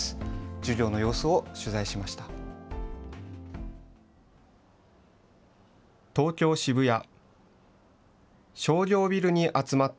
授業の様子を取材しました。